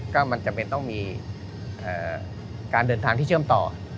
ก็มันจำเป็นต้องมีการเดินทางที่เชื่อมต่อ